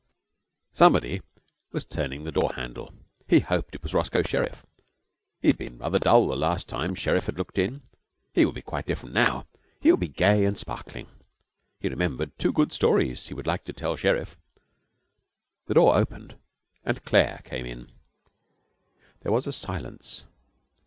Somebody was turning the door handle. He hoped it was Roscoe Sherriff. He had been rather dull the last time Sherriff had looked in. He would be quite different now. He would be gay and sparkling. He remembered two good stories he would like to tell Sherriff. The door opened and Claire came in. There was a silence.